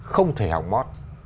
không thể học mót